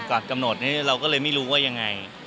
ก่อนกำหนดนี่เราอยู่ไม่รู้ว่ายังไง